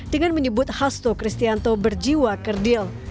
dengan menyebut hasto kristianto berjiwa kerdil